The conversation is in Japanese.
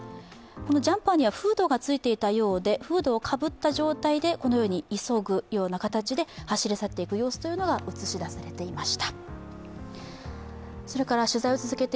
ジャンパーにはフードがついていたようで、フードをかぶった状態でこのように急ぐような形で走り去っていく様子が映し出されていました。